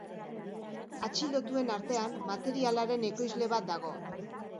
Atxilotuen artean, materialaren ekoizle bat dago.